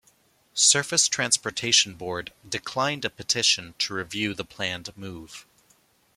Surface Transportation Board declined a petition to review the planned move.